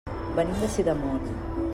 Venim de Sidamon.